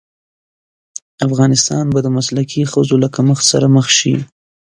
افغانستان به د مسلکي ښځو له کمښت سره مخ شي.